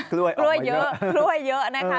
กล้วยเยอะนะคะ